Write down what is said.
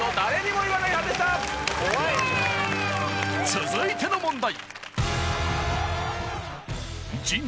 続いての問題